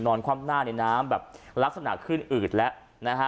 คว่ำหน้าในน้ำแบบลักษณะขึ้นอืดแล้วนะฮะ